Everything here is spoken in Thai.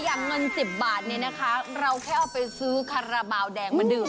อย่างเงิน๑๐บาทนี้นะคะเราแค่เอาไปซื้อคาราบาลแดงมาดื่ม